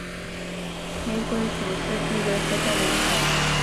黑龟属是地龟科下的一个属。